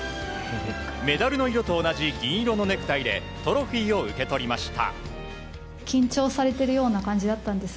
メダルの色と同じ銀色のネクタイでトロフィーを受け取りました。